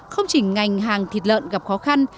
không chỉ ngành hàng thịt lợn gặp khó khăn